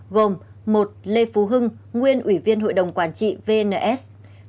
gồm một lê phú hưng nguyên ủy viên hội đồng quản trị vns